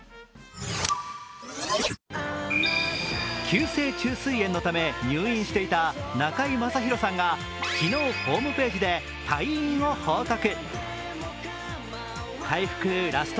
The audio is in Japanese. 急性虫垂炎のため入院していた中居正広さんが昨日ホームページで退院を報告。